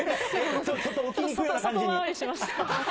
ちょっと外回りしました。